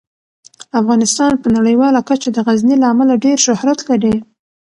افغانستان په نړیواله کچه د غزني له امله ډیر شهرت لري.